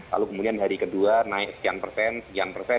lalu kemudian hari kedua naik sekian persen sekian persen